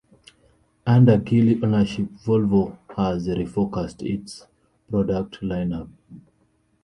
Under Geely ownership, Volvo has refocused its product lineup.